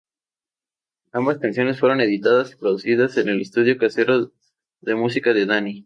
Ambas canciones, fueron editadas y producidas en el estudio casero de música de Danny.